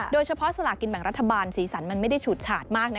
สลากินแบ่งรัฐบาลสีสันมันไม่ได้ฉูดฉาดมาก